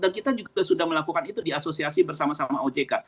dan kita juga sudah melakukan itu di asosiasi bersama sama ojk